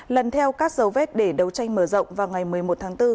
lần theo các dấu vết để đấu tranh mở rộng vào ngày một mươi một tháng bốn